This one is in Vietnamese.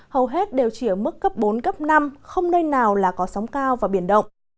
hầu hết đều chỉ ở mức cấp bốn cấp năm không nơi nào là có sóng cao và biển động